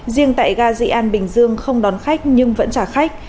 riêng tại ga dị an bình dương không đón khách nhưng vẫn trả khách